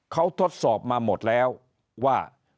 เขาทดสอบมาหมดแล้วว่า